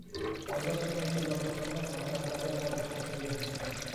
تەبەسسۇمى چىللاپ توختىماي، ھەر قەترىدە پاكلىقنى سۆيگەن.